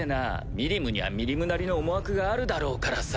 ミリムにはミリムなりの思惑があるだろうからさ。